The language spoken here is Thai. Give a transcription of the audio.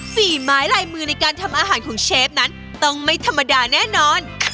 ฝีไม้ลายมือในการทำอาหารของเชฟนั้นต้องไม่ธรรมดาแน่นอน